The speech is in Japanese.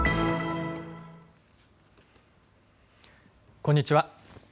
こんにちは。